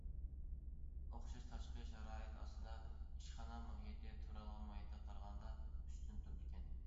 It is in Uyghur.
ئوخشاش تاشقى شارائىت ئاستىدا، ئىشخانا مۇھىتى تۇرالغۇ مۇھىتىغا قارىغاندا ئۈستۈن تۇرىدىكەن.